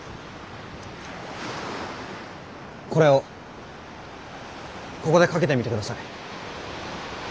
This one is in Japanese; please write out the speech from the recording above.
これをここでかけてみてください。